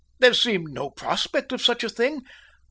There seemed no prospect of such a thing.